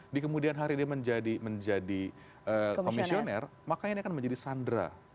di kemudian hari dia menjadi komisioner maka ini akan menjadi sandera